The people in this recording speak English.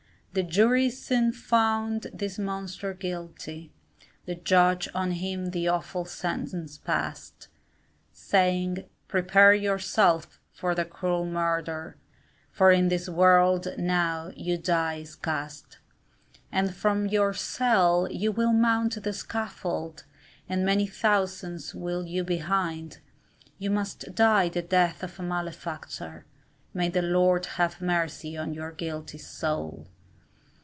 The jury soon found this monster guilty, The judge on him the awful sentence passed, Saying, prepare yourself for the cruel murder, For in this world, now, your die is cast; And from your cell you will mount the scaffold, And many thousands will you behind, You must die the death of a malefactor, May the Lord have mercy on your guilty soul.